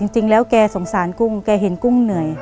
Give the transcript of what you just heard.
แต่จริงแล้วเขาสงสารกุ้งเขาเห็นกุ้งเหนื่อย